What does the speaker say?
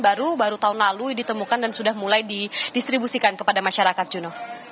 baru baru tahun lalu ditemukan dan sudah mulai didistribusikan kepada masyarakat juno